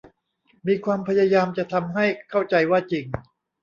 มีความพยายามจะทำให้เข้าใจว่าจริง